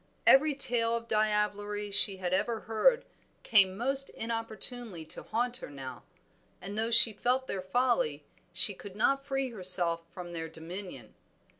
Every tale of diablerie she had ever heard came most inopportunely to haunt her now, and though she felt their folly she could not free herself from their dominion.